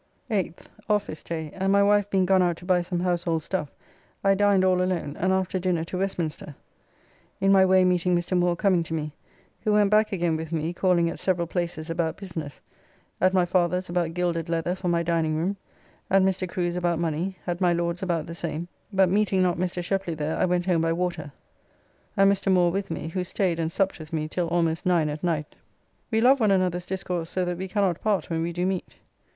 8th. Office day, and my wife being gone out to buy some household stuff, I dined all alone, and after dinner to Westminster, in my way meeting Mr. Moore coming to me, who went back again with me calling at several places about business, at my father's about gilded leather for my dining room, at Mr. Crew's about money, at my Lord's about the same, but meeting not Mr. Sheply there I went home by water, and Mr. Moore with me, who staid and supped with me till almost 9 at night. We love one another's discourse so that we cannot part when we do meet.